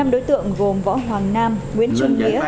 năm đối tượng gồm võ hoàng nam nguyễn trung nghĩa